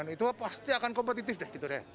itu pasti akan kompetitif deh